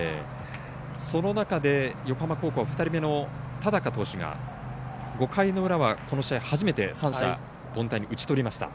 その中で横浜高校は２人目の田高投手が５回の裏はこの試合初めて三者凡退に打ちとりました。